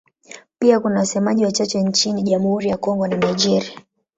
Pia kuna wasemaji wachache nchini Jamhuri ya Kongo na Nigeria.